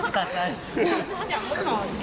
สะใจ